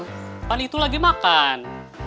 kapan itu lagi makan